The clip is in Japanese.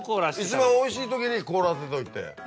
一番おいしい時に凍らせといて。